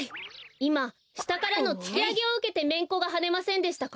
いましたからのつきあげをうけてめんこがはねませんでしたか？